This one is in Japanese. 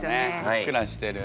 ふっくらしてる。